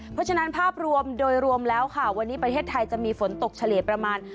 เพราะฉะนั้นภาพรวมโดยรวมแล้วค่ะวันนี้ประเทศไทยจะมีฝนตกเฉลี่ยประมาณ